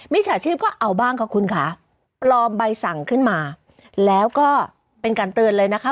ฉาชีพก็เอาบ้างค่ะคุณค่ะปลอมใบสั่งขึ้นมาแล้วก็เป็นการเตือนเลยนะคะ